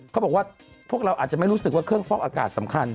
เขาบอกว่าพวกเราอาจจะไม่รู้สึกว่าเครื่องฟอกอากาศสำคัญ